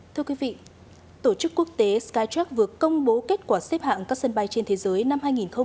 thưa quý vị tổ chức quốc tế skytrack vừa công bố kết quả xếp hạng các sân bay trên thế giới năm hai nghìn hai mươi bốn